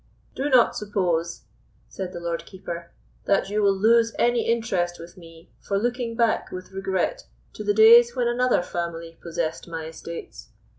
"Do not suppose," said the Lord Keeper, "that you will lose any interest with me for looking back with regret to the days when another family possessed my estates.